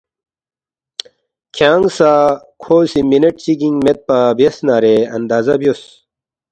کھیانگ سہ کھو سی منٹ چگِنگ میدپا بیاس نارے، اندازہ بیوس